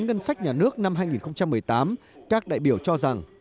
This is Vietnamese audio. ngân sách nhà nước năm hai nghìn một mươi tám các đại biểu cho rằng